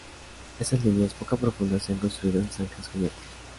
Estas líneas, poco profundas, se han construido en zanjas cubiertas.